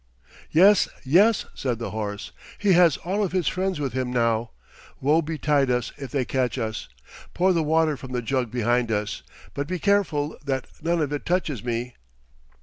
"Yes, yes," said the horse. "He has all of his friends with him now. Woe betide us if they catch us. Pour the water from the jug behind us, but be careful that none of it touches me."